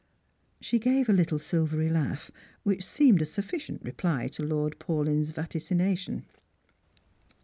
She gave a little silvery laugh, which seemed a sufficient reply to Lord Paulyn's vaticination.